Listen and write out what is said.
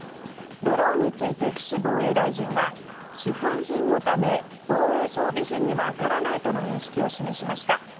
ドローンについて、岸防衛大臣は市販品のため防衛装備品には当たらないとの認識を示しました。